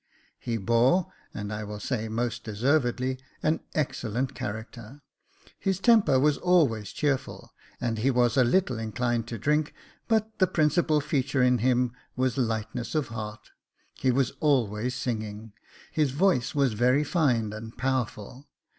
He bore, and I will say most deservedly, an excellent character. His temper was always cheerful, and he was a little inclined to drink; but . the principal feature in him was lightness of heart •, he was always singing. His voice was very fine and power ful.